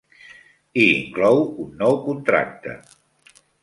I inclou un nou contracte.